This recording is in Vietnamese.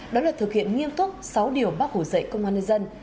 đó là thực hiện nghiêm túc sáu điều bác hồ dạy công an nhân dân